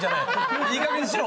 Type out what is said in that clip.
いいかげんにしろ。